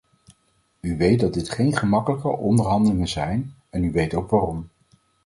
U weet dat dit geen gemakkelijke onderhandelingen zijn, en u weet ook waarom.